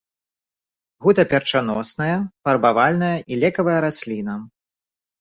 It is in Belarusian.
Гутаперчаносная, фарбавальная і лекавая расліна.